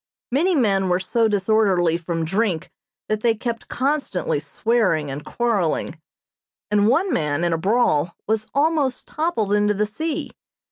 Many men were so disorderly from drink that they kept constantly swearing and quarreling, and one man, in a brawl, was almost toppled into the sea.